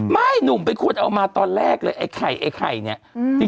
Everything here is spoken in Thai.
ไม่หนุ่มไปควดเอามาตอนแรกเลยไอ้ไข่นี่